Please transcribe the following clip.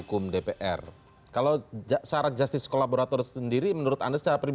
yang paling penting buat pemeromong adalah kami